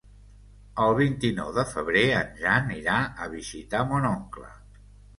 El vint-i-nou de febrer en Jan irà a visitar mon oncle.